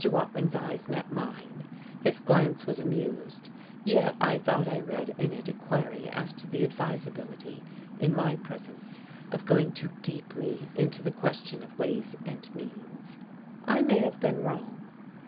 Watling's eyes met mine; his glance was amused, yet I thought I read in it a query as to the advisability, in my presence, of going too deeply into the question of ways and means. I may have been wrong.